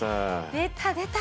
出た出た！